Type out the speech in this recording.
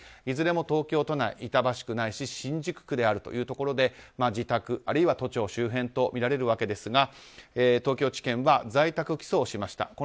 いずれも東京都内板橋区ないし新宿区であるということで自宅、あるいは都庁周辺とみられるわけですが東京地検は在宅起訴しました。